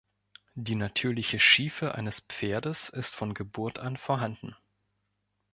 Die natürliche Schiefe eines Pferdes ist von Geburt an vorhanden.